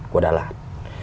của đà lạt